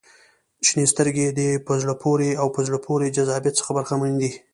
• شنې سترګې د په زړه پورې او په زړه پورې جذابیت څخه برخمنې دي.